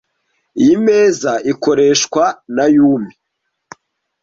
Iyi meza ikoreshwa na Yumi.